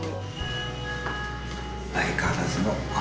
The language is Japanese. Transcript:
相変わらずの。